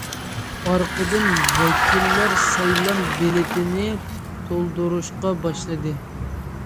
ئارقىدىن، ۋەكىللەر سايلام بېلىتىنى تولدۇرۇشقا باشلىدى.